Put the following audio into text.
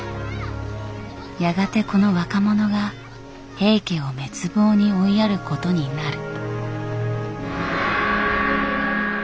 やがてこの若者が平家を滅亡に追いやることになる。